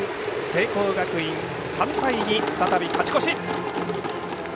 聖光学院、３対２、再び勝ち越し。